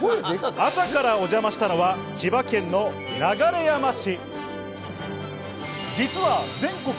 朝からお邪魔したのは千葉県の流山市。